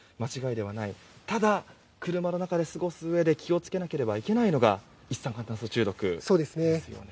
ただ車の中で過ごすうえで気を付けなければいけないのが一酸化炭素中毒ですよね。